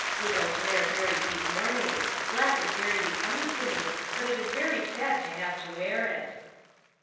Widows wear very deep mourning; black is very becoming to me, but it is very sad to have to wear it."